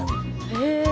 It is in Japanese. へえ。